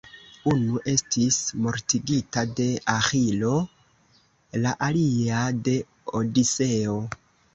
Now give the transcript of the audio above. Unu estis mortigita de Aĥilo, la alia de Odiseo.